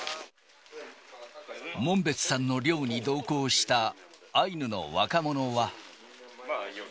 門別さんの猟に同行したアイヌの若者は。